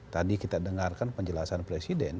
tadi kita dengarkan penjelasan presiden